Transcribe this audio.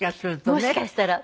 もしかしたら。